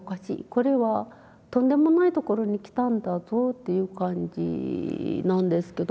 これはとんでもないところに来たんだぞっていう感じなんですけど。